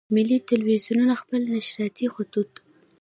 ملي ټلویزیونونه خپل نشراتي خطوط.